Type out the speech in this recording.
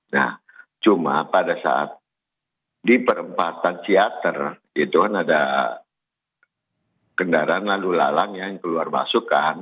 nah cuma pada saat di perempatan ciater itu kan ada kendaraan lalu lalang yang keluar masuk kan